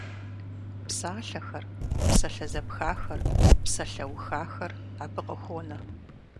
Псалъэхэр, псалъэ зэпхахэр, псалъэухахэр абы къыхонэ.